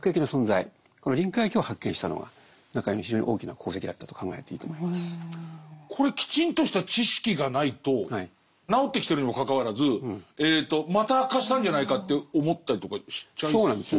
寛解に向かうというふうなそのこれきちんとした知識がないと治ってきてるにもかかわらずまた悪化したんじゃないかって思ったりとかしちゃいそうですね。